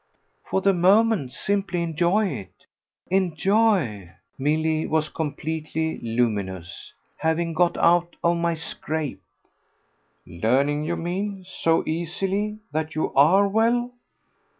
"For the moment simply enjoy it. Enjoy" Milly was completely luminous "having got out of my scrape." "Learning, you mean, so easily, that you ARE well?"